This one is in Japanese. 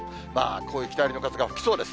こういう北寄りの風が吹きそうです。